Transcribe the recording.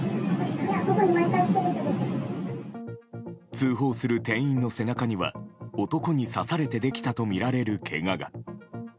通報する店員の背中には男に刺されてできたとみられるけがが。